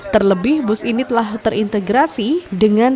terlebih bus ini telah terintegrasi dengan